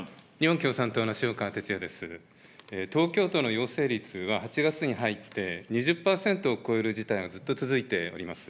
東京都の陽性率は８月に入って２０％を超える事態がずっと続いています。